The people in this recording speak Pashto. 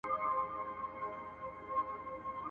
که تمرین نه وي پرمختګ کم وي.